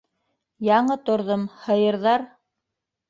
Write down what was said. Яңы торҙом, һыйырҙар...